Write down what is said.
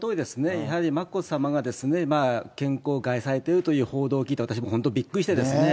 やはり眞子さまが健康を害されているという報道を聞いて、私も本当、びっくりしてですね。